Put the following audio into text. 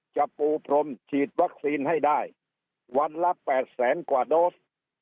ปูพรมฉีดวัคซีนให้ได้วันละ๘แสนกว่าโดส